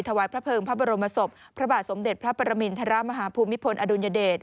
ถวายพระเภิงพระบรมศพพระบาทสมเด็จพระปรมินทรมาฮภูมิพลอดุลยเดช